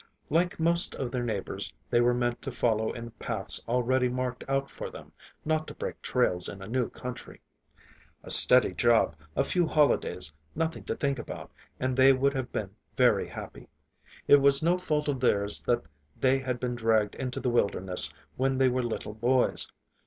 Like most of their neighbors, they were meant to follow in paths already marked out for them, not to break trails in a new country. A steady job, a few holidays, nothing to think about, and they would have been very happy. It was no fault of theirs that they had been dragged into the wilderness when they were little boys.